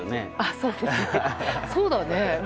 そうだね。